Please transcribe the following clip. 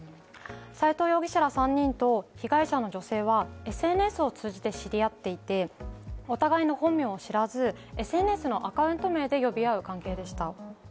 斎藤容疑者ら３人と被害者の女性はＳＮＳを通じて、知り合っていてお互いの本名を知らず、ＳＮＳのアカウント名で呼び合う関係でした。